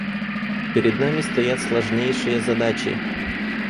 Перед нами стоят сложнейшие задачи.